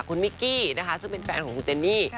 คุณมิกกี้นะคะซึ่งเป็นแฟนของคุณเจนนี่